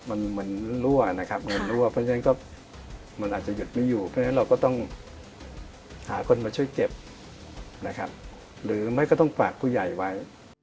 มันมันรั่วนะครับมันรั่วเพราะฉะนั้นก็มันอาจจะหยุดไม่อยู่เพราะฉะนั้นเราก็ต้องหาคนมาช่วยเก็บนะครับหรือไม่ก็ต้องฝากผู้ใหญ่ไว้